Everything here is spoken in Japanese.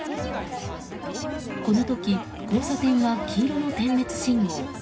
この時、交差点は黄色の点滅信号。